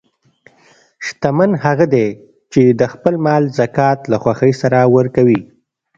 شتمن هغه دی چې د خپل مال زکات له خوښۍ سره ورکوي.